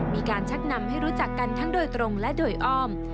มีการชักนำให้รู้จักกันทั้งโดยตรงและโดยอ้อม